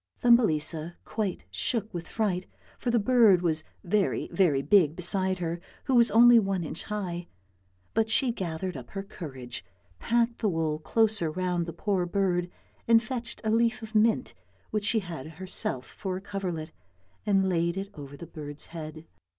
Thumbelisa quite shook with fright, for the bird was very, very big beside her who was only one inch high, but she gathered up her courage, packed the wool closer round the poor bird, and fetched a leaf of mint which she had herself for a coverlet and laid it over the bird's head.